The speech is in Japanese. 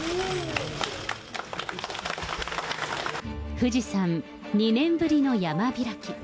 富士山２年ぶりの山開き。